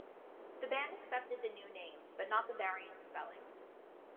The band accepted the new name, but not the variant spelling.